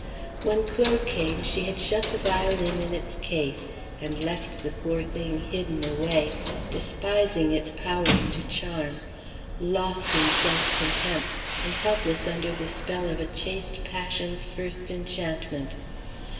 When Claude came, she had shut the violin in its case, and left the poor thing hidden away, despising its powers to charm, lost in self contempt, and helpless under the spell of a chaste passion's first enchantment.